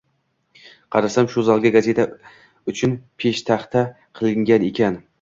Qarasam, shu zalga gazeta uchun peshtaxta qilingan ekan.